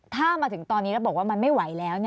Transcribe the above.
ถ้ามาถึงตอนนี้แล้วบอกว่ามันไม่ไหวแล้ว